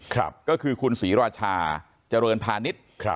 ก็คือคุณศรีราชาเจริญพาณิชย์